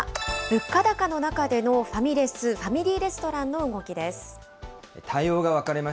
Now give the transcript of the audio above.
物価高の中でのファミレス、ファミリーレストランでの動きです。